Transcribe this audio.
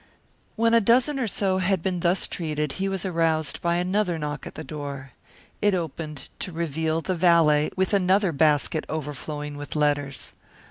When a dozen or so had been thus treated he was aroused by another knock at the door. It opened to reveal the valet with another basket overflowing with letters.